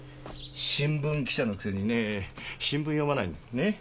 新聞記者のくせにね新聞読まないね？